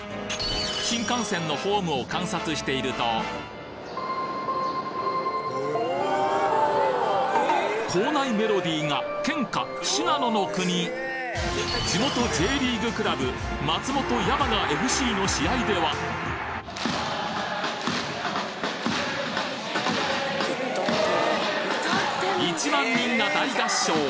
新幹線のホームを観察していると構内メロディーが県歌地元Ｊリーグクラブ松本山雅ＦＣの試合では１万人が大合唱！